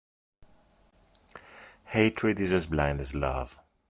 Hatred is as blind as love.